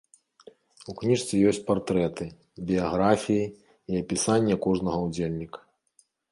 У кніжцы ёсць партрэты, біяграфіі і апісанне кожнага ўдзельніка.